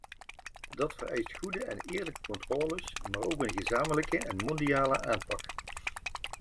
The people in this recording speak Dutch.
Dat vereist goede en eerlijke controles, maar ook een gezamenlijke en mondiale aanpak.